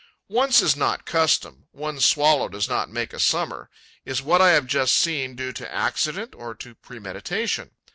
Once is not custom: one swallow does not make a summer. Is what I have just seen due to accident or to premeditation?